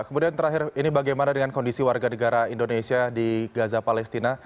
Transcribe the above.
kemudian terakhir ini bagaimana dengan kondisi warga negara indonesia di gaza palestina